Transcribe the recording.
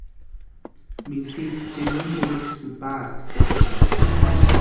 Misitu tsimani kurucha sïpasti kopikwarhu.